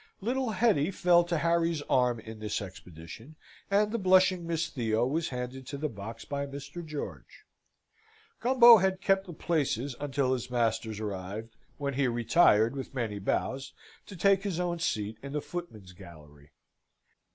Little Hetty fell to Harry's arm in this expedition, and the blushing Miss Theo was handed to the box by Mr. George. Gumbo had kept the places until his masters arrived, when he retired, with many bows, to take his own seat in the footman's gallery.